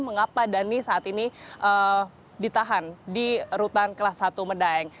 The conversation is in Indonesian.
mengapa dhani saat ini ditahan di rutan kelas satu medaeng